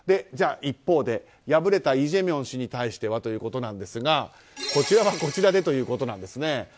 じゃあ、一方で敗れたイ・ジェミョン氏に対してはということですがこちらはこちらでということです。